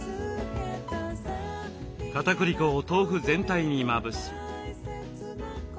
かたくり粉を豆腐全体にまぶし。